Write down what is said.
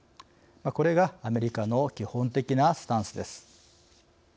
これがアメリカの基本的なスタンスです。